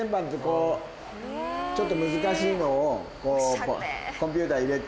ちょっと難しいのをこうコンピューター入れて。